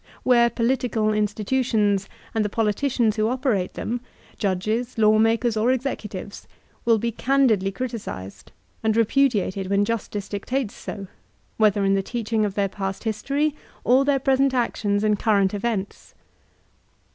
Where political institutions and the politicians who oper ate them — ^judges, lawmakers, or executives— will be candidly criticised, and repudiated when justice dictates so, whether in the teaching of their past history, or their present actions in current events.